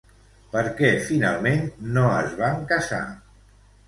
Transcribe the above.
Per què finalment no es van casar?